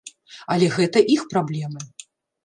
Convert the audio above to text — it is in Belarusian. Але гэта іх праблемы.